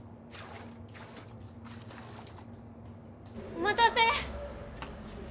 お待たせ。